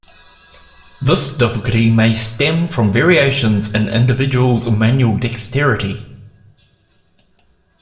This difficulty may stem from variations in individuals' manual dexterity.